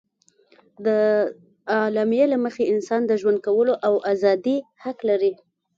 د اعلامیې له مخې انسان د ژوند کولو او ازادي حق لري.